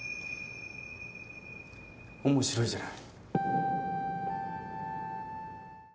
面白いじゃない。